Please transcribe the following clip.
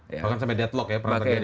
bahkan sampai deadlock ya perantar gdg